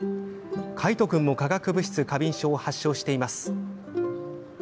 海斗君も、化学物質過敏症を発症しています。